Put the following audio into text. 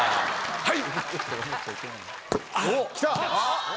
はい。